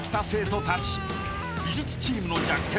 ［美術チームの弱点